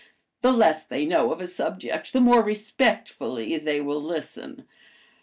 The less they know of a subject the more respectfully they will listen."